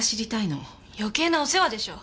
余計なお世話でしょ。